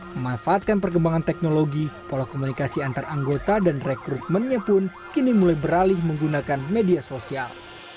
memanfaatkan perkembangan teknologi pola komunikasi antar anggota dan rekrutmennya pun kini mulai beralih menggunakan media sosial